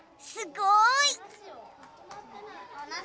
すごい！